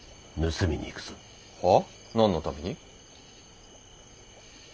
はあ？何のために？